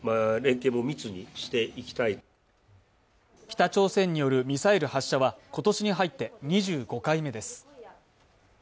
北朝鮮によるミサイル発射は今年に入って２５回目です。